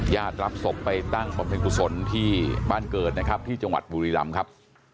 ญาติรับศพไปตั้งความเป็นผู้สนที่บ้านเกิดนะครับที่จังหวัดบุรีรัมป์ครับ